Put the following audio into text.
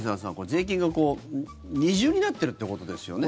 税金が二重になってるということですよね。